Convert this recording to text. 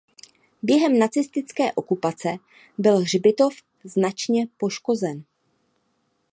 Během nacistické okupace byl hřbitov značně poškozen.